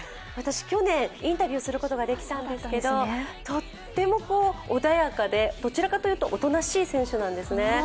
私、去年インタビューすることができたんですけどとても穏やかでどちらかというと穏やかな選手なんですね。